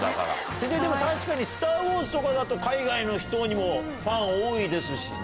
先生でも確かに『スター・ウォーズ』とか海外の人にもファン多いですしね。